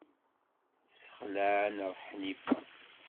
Tessexleɛ-aneɣ Ḥnifa.